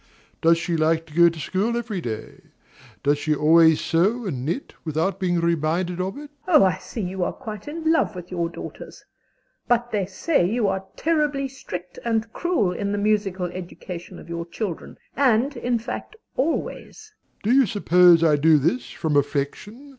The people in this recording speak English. Does she like to go to school every day? Does she always sew and knit without being reminded of it? MRS. S. (interrupting). Oh, I see you are quite in love with your daughters! But they say you are terribly strict and cruel in the musical education of your children; and, in fact, always. DOMINIE. Do you suppose I do this from affection?